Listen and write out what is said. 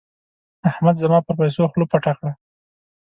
احمد زما پر پيسو خوله پټه کړه.